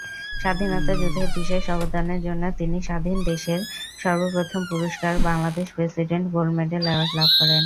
স্বাধীনতা যুদ্ধে বিশেষ অবদানের জন্য তিনি স্বাধীন দেশের সর্বপ্রথম পুরস্কার "Bangladesh president gold medal award" লাভ করেন।